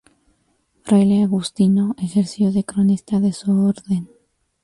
Fraile agustino, ejerció de cronista de su orden.